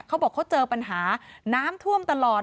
เขาบอกเขาเจอปัญหาน้ำท่วมตลอด